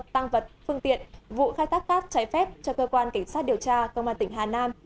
tăng vật phương tiện vụ khai thác cát trái phép cho cơ quan cảnh sát điều tra công an tỉnh hà nam